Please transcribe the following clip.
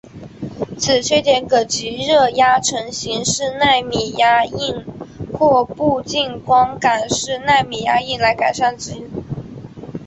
此缺点可藉热压成形式奈米压印或步进光感式奈米压印来改善之。